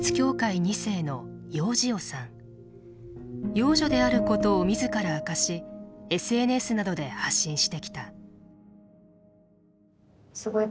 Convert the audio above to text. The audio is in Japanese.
養女であることを自ら明かしＳＮＳなどで発信してきた。